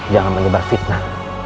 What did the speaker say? jangan menyebar fitnah